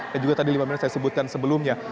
dan juga tadi lima miliar yang saya sebutkan sebelumnya